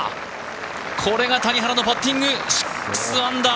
これが谷原のパッティング、６アンダー